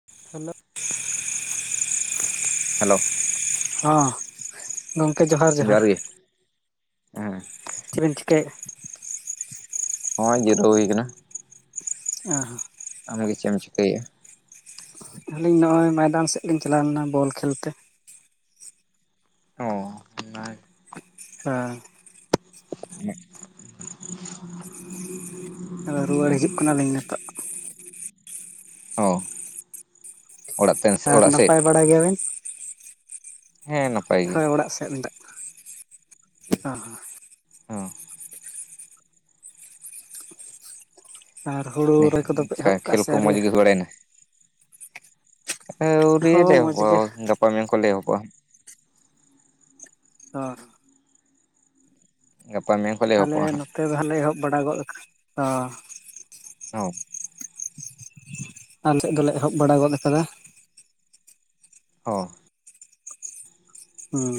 [inaudible] Hello. [unintelligible] ᱦᱚᱸ᱾ ᱜᱚᱝᱠᱮ ᱡᱚᱦᱟᱨᱼᱼ ᱡᱚᱦᱟᱨ ᱜᱤ, ᱦᱮᱸ᱾ ᱪᱤᱜ ᱵᱮᱱ ᱪᱤᱠᱟᱭᱮᱜ-ᱟ? ᱱᱚᱜ-ᱚᱭ ᱡᱤᱨᱟᱹᱣ ᱦᱩᱭ ᱟᱠᱟᱱᱟ᱾ [unintelligible] ᱟᱸ᱾ ᱟᱢ ᱜᱮ ᱪᱮᱫ ᱮᱢ ᱪᱤᱠᱟᱹᱭᱮᱜ-ᱟ? ᱟᱹᱞᱤᱧ ᱱᱚᱜ-ᱚᱭ ᱢᱚᱭᱫᱟᱱ ᱥᱮᱫ ᱞᱤᱧ ᱪᱟᱞᱟᱣ ᱞᱮᱱᱟ ᱵᱚᱞ ᱠᱷᱮᱞ ᱛᱮ᱾ ᱦᱚᱸ ᱚᱱᱟ ᱜᱤ᱾ ᱦᱮᱸ᱾ [unintelligible] ᱼᱼ ᱟᱫᱚ ᱨᱩᱣᱟᱹᱲ ᱦᱤᱡᱩᱜ ᱠᱟᱱᱟ ᱞᱤᱧ ᱱᱤᱛᱚᱜ᱾ ᱚ [unintelligible] ᱛᱮᱱ ᱟᱨ ᱚᱲᱟᱜ ᱥᱮᱫ ᱱᱟᱯᱟᱭ ᱵᱟᱲᱟ ᱜᱮᱭᱟ ᱵᱮᱱ? ᱦᱮᱸ ᱱᱟᱯᱟᱭ ᱜᱮ ᱦᱚᱭ ᱚᱲᱟᱜ ᱥᱮᱫ [unintelligible] ᱚᱻᱦᱚ᱾ ᱦᱚᱸ ᱟᱨ ᱦᱩᱲᱩ ᱨᱚᱦᱚᱭ ᱠᱚᱫᱚ ᱯᱮ ᱮᱦᱚᱵ ᱠᱟᱜ-ᱟ ᱥᱮ ᱟᱹᱣᱨᱤ? [unintelligible] ᱮᱱᱟᱼᱼ ᱟᱹᱣᱨᱤ ᱦᱚᱸ ᱞᱮ ᱢᱚᱡᱽ ᱜᱮ ᱮᱦᱚᱵᱚᱜ-ᱟ [unintelligible] ᱜᱟᱯᱟ ᱢᱮᱭᱟᱝ ᱠᱷᱚᱡ ᱞᱮ‌ ᱮᱦᱚᱵᱚᱜ-ᱟ᱾ ᱦᱚᱸ᱾ ᱜᱟᱯᱟ ᱢᱮᱭᱟᱝ ᱠᱷᱚᱡ ᱞᱮ ᱟᱞᱮ ᱮᱦᱚᱯᱚᱜ-ᱟ ᱦᱟᱸᱜ᱾ ᱱᱚᱛᱮ ᱫᱚ ᱦᱟᱸᱜ ᱞᱮ ᱮᱦᱚᱵ ᱵᱟᱲᱟ ᱜᱚᱫ ᱟᱠᱟᱫᱟ, ᱚ᱾ ᱚᱸ᱾ [unintelligible] ᱟᱞᱮ ᱥᱮᱫ ᱫᱚᱞᱮ ᱮᱦᱚᱵ ᱵᱟᱲᱟ ᱜᱚᱫᱽ ᱟᱠᱟᱫᱟ᱾ ᱦᱚ᱾ ᱦᱩᱸ᱾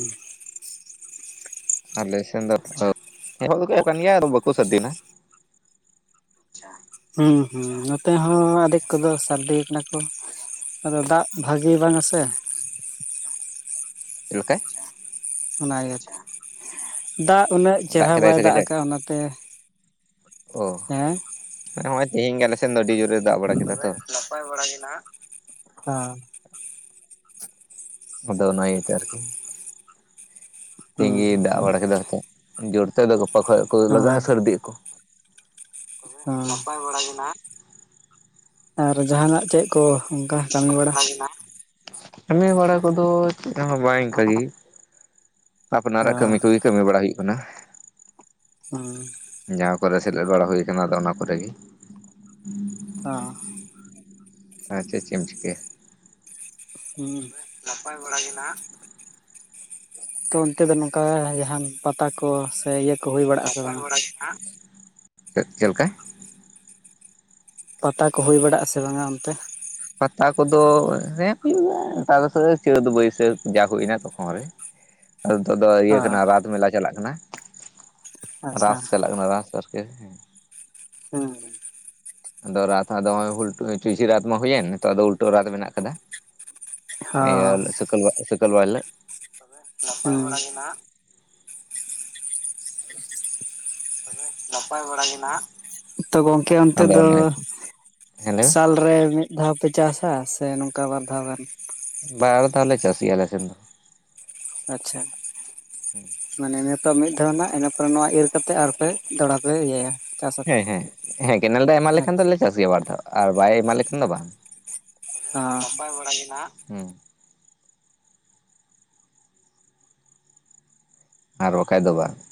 ᱟᱞᱮ ᱥᱮᱱ ᱫᱚ [unintelligible] ᱮᱦᱚᱵ ᱫᱚᱠᱚ ᱮᱦᱚᱵ ᱟᱠᱟᱫ ᱜᱮᱭᱟ ᱟᱫᱚ ᱵᱟᱠᱚ [unintelligible] ᱫᱤᱱᱟ ᱦᱮᱸ ᱦᱮᱸ ᱱᱚᱛᱮ ᱦᱚᱸ ᱟᱫᱷᱮᱠ ᱠᱚᱫᱚ ᱥᱟᱹᱨᱫᱤ ᱟᱠᱟᱱᱟ ᱠᱚ ᱟᱫᱚ ᱫᱟᱜ ᱵᱷᱟᱜᱤ ᱵᱟᱝᱟ ᱥᱮ ᱪᱮᱫ ᱞᱮᱠᱟ? ᱚᱱᱟ ᱤᱭᱟᱹᱛᱮ ᱫᱟᱜ ᱩᱱᱟᱹᱜ ᱪᱮᱦᱨᱟ ᱠᱮᱫᱟᱭ ᱵᱟᱭ ᱥᱮ ᱫᱟᱜ ᱠᱟᱡᱟᱠ ᱟᱠᱟᱫᱟ ᱚᱱᱟᱛᱮ ᱚ [unintelligible] ᱦᱮᱸ ᱦᱮᱸ ᱢᱟᱱᱮ ᱱᱚᱜᱚᱭ ᱛᱮᱦᱮᱧ ᱜᱮ ᱟᱞᱮ ᱥᱮᱱ ᱫᱚ ᱟᱹᱰᱤ ᱡᱳᱨᱮ ᱫᱟᱜ ᱵᱟᱲᱟ ᱠᱮᱫᱟ ᱛᱚ [unintelligible] ᱦᱮᱸ᱾ ᱟᱫᱚ ᱚᱱᱟ ᱤᱭᱟᱹᱛᱮ ᱟᱨᱠᱤ ᱦᱩᱸ ᱫᱤᱱ ᱜᱮ ᱦᱩᱸ ᱫᱟᱜ ᱵᱟᱲᱟ ᱠᱮᱫᱟ ᱦᱚᱛᱮᱫ ᱡᱳᱨ ᱛᱮᱫᱚ ᱜᱟᱯᱟ ᱠᱷᱚᱡ ᱠᱚ ᱞᱟᱜᱟᱜᱼᱟ ᱦᱚᱸ ᱥᱟᱹᱨᱫᱤᱜ ᱟᱠᱚ ᱦᱚᱸ᱾ ᱱᱟᱯᱟᱭ ᱵᱟᱲᱟ ᱜᱮ ᱱᱟᱦᱟᱸᱜ᱾ ᱟᱨ ᱡᱟᱦᱟᱱᱟᱜ ᱪᱮᱫ ᱠᱚ ᱚᱱᱠᱟ ᱠᱟᱹᱢᱤ ᱵᱟᱲᱟ ᱠᱟᱹᱢᱤ ᱵᱟᱲᱟ ᱠᱚᱫᱚ ᱪᱮᱫ ᱦᱚᱸ ᱵᱟᱝ ᱤᱱᱠᱟᱹᱜ ᱜᱮ ᱟᱯᱱᱟᱨᱟᱜ ᱠᱟᱹᱢᱤ ᱠᱚᱜᱮ ᱠᱟᱹᱢᱤ ᱵᱟᱲᱟ ᱦᱩᱭᱩᱜ ᱠᱟᱱᱟ᱾ ᱦᱩᱸ᱾ ᱡᱟᱦᱟᱸ ᱠᱚᱨᱮ ᱥᱮᱞᱮᱫ ᱵᱟᱲᱟ ᱦᱩᱭ ᱟᱠᱟᱱᱟ ᱟᱫᱚ ᱚᱱᱟ ᱠᱚᱨᱮᱜ ᱜᱮ ᱦᱩᱸ᱾ ᱚ᱾ [unintelligible] ᱪᱮᱫ ᱪᱮᱫ ᱮᱢ ᱪᱤᱠᱟᱹᱭᱟ? ᱦᱩᱸ᱾ ᱱᱟᱯᱟᱭ ᱵᱟᱲᱟ ᱜᱮᱦᱟᱜ᱾ ᱛᱚ ᱚᱱᱛᱮ ᱫᱚ ᱱᱚᱝᱠᱟ ᱡᱟᱦᱟᱱ ᱯᱟᱛᱟ ᱠᱚ ᱥᱮ ᱤᱭᱟᱹ ᱠᱚ ᱦᱩᱭ ᱵᱟᱲᱟᱜ ᱟᱥᱮ ᱱᱟᱯᱟᱭ ᱵᱟᱝᱟ ᱵᱟᱲᱟᱜ ᱜᱮᱦᱟᱜ, ᱪᱮᱫ [unintelligible] ᱞᱮᱠᱟ? ᱯᱟᱛᱟ ᱠᱚ ᱦᱩᱭ ᱵᱟᱲᱟᱜᱼᱟ ᱥᱮ ᱵᱟᱝᱟ ᱚᱱᱛᱮ? ᱯᱟᱛᱟ ᱠᱚᱫᱚ ᱦᱮᱸ ᱦᱩᱭᱩᱜᱼᱟ [unintelligible] ᱪᱟᱹᱛ ᱵᱟᱹᱭᱥᱟᱹᱠᱷ ᱡᱟ ᱦᱩᱭᱱᱟ ᱛᱚᱠᱷᱚᱱ ᱨᱮ [unintelligible] ᱱᱤᱛᱚᱜ ᱫᱚ ᱤᱭᱟᱹ ᱦᱚᱸ ᱠᱟᱱᱟ ᱨᱟᱛ ᱢᱮᱞᱟ ᱪᱟᱞᱟᱜ ᱠᱟᱱᱟ ᱟᱪᱪᱷᱟ ᱨᱟᱥ ᱪᱟᱞᱟᱜ ᱠᱟᱱᱟ ᱨᱟᱥ ᱟᱨᱠᱤ ᱦᱮᱸ ᱟᱫᱚ ᱨᱟᱛ ᱦᱚᱸ ᱪᱩᱥᱤ ᱨᱟᱛ ᱢᱟ ᱦᱩᱭᱮᱱ ᱱᱤᱛᱚᱜ ᱩᱞᱴᱟᱹ ᱨᱟᱛ ᱢᱮᱱᱟᱜ ᱟᱠᱟᱫᱟ ᱦᱚᱸ ᱥᱩᱠᱟ. ᱞ ᱵᱟᱨ ᱦᱤᱞᱟᱹᱜ ᱦᱩᱸ [unintelligible] ᱛᱚᱵᱮ ᱱᱟᱯᱟᱭ ᱵᱟᱲᱟ ᱜᱮ ᱱᱟᱦᱟᱜ ᱛᱚ ᱜᱚᱝᱠᱮ ᱚᱱᱛᱮ ᱫᱚ ᱦᱮᱸ ᱞᱟᱹᱭ ᱢᱮ ᱥᱟᱞ ᱨᱮ ᱢᱤᱫ ᱫᱷᱟᱣ ᱯᱮ ᱪᱟᱥᱟ ᱥᱮ ᱱᱚᱝᱠᱟ ᱵᱟᱨ ᱫᱷᱟᱣ ᱜᱟᱱ ᱵᱟᱨ ᱫᱷᱟᱣ ᱞᱮ ᱪᱟᱥ ᱜᱮᱭᱟ ᱟᱞᱮ ᱥᱮᱱ ᱫᱚ ᱟᱪᱪᱷᱟ ᱢᱟᱱᱮ ᱢᱤᱫ ᱫᱷᱟᱣᱱᱟ ᱤᱱᱟᱹ ᱯᱚᱨᱮ ᱱᱚᱣᱟ ᱤᱨ ᱠᱟᱛᱮ ᱟᱨᱯᱮ ᱫᱚᱲᱟ ᱯᱮ ᱤᱭᱟᱹᱭᱟ ᱪᱟᱥᱟ ᱦᱮᱸ ᱦᱮᱸ ᱦᱮᱸ ᱠᱮᱱᱮᱞ ᱫᱚ ᱮᱢᱟ ᱦᱮᱸ ᱞᱮᱠᱷᱟᱱ ᱫᱚᱞᱮ ᱪᱟᱥ ᱜᱮᱭᱟ ᱵᱟᱨ ᱫᱷᱟᱣ ᱟᱨ ᱵᱟᱭ ᱮᱢᱟ ᱞᱮᱠᱷᱟᱱ ᱫᱚ ᱵᱟᱝ ᱦᱚᱸ ᱱᱟᱯᱟᱭ ᱵᱟᱲᱟ ᱜᱮ ᱱᱟᱦᱟᱜ ᱟᱨ ᱵᱟᱠᱷᱟᱡ ᱫᱚ ᱵᱟᱝ